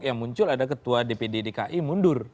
yang muncul ada ketua dpd dki mundur